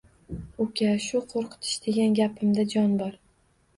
Uka, shu qo‘rqitish degan gapimda jon bor.